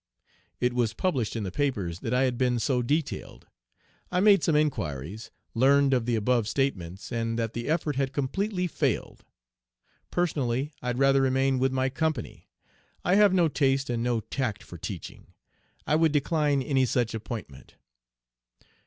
It was published in the papers that I had been so detailed. I made some inquiries, learned of the above statements, and that the effort had completely failed. Personally I'd rather remain with my company. I have no taste and no tact for teaching. I would decline any such appointment.